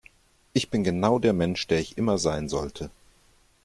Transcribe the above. Ich bin genau der Mensch, der ich immer sein sollte.